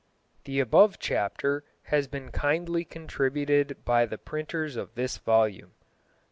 [_The above chapter has been kindly contributed by the printers of this volume.